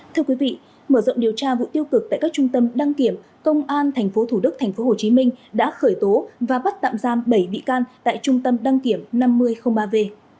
thưa quý vị mở rộng điều tra vụ tiêu cực tại các trung tâm đăng kiểm công an tp thủ đức tp hcm đã khởi tố và bắt tạm giam bảy bị can tại trung tâm đăng kiểm năm mươi ba v